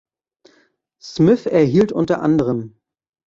Smith erhielt unter anderem